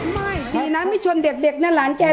ไม่สีนั้นไม่จนเด็กนั่นร้านแก้ว